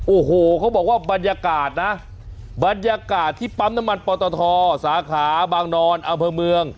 โอ้โหเขาบอกว่าบรรยากาศนะบรรยากาศที่ปั๊มน้ำมันปอตทสาขาบางนอนอำเภอเมือง